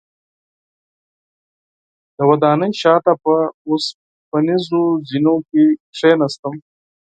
د ودانۍ شاته په اوسپنیزو زینو کې کیناستم.